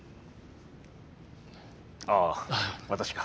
ああ私か。